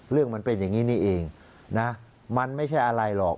มันเป็นอย่างนี้นี่เองนะมันไม่ใช่อะไรหรอก